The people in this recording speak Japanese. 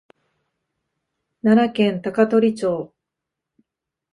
奈良県高取町